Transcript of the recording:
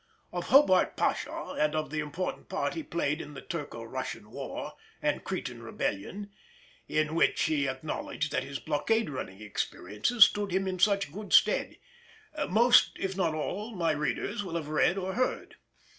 Of Hobart Pasha and of the important part he played in the Turko Russian war and Cretan rebellion—in which he acknowledged that his blockade running experiences stood him in such good stead—most, if not all, my readers will have read or heard.